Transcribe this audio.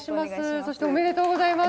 そしておめでとうございます。